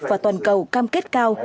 và toàn cầu cam kết cao